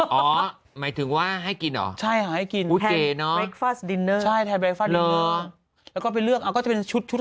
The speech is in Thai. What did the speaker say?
อ๋อหมายถึงว่าให้กินเหรอ